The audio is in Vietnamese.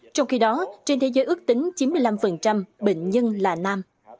trong khi đó trên thế giới ước tính chín mươi năm bệnh nhân là nam